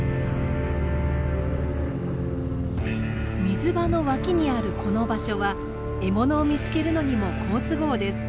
水場の脇にあるこの場所は獲物を見つけるのにも好都合です。